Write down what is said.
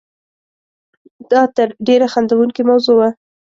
دا تر ډېره خندوونکې موضوع وه.